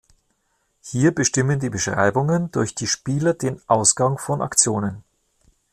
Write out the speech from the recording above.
Hier bestimmen die Beschreibungen durch die Spieler den Ausgang von Aktionen.